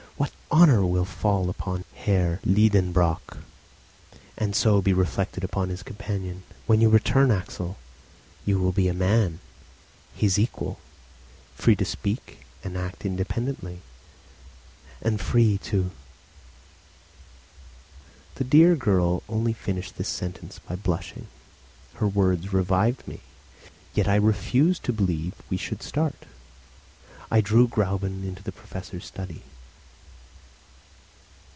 What honour will fall upon Herr Liedenbrock, and so be reflected upon his companion! When you return, Axel, you will be a man, his equal, free to speak and to act independently, and free to " The dear girl only finished this sentence by blushing. Her words revived me. Yet I refused to believe we should start. I drew Gräuben into the Professor's study.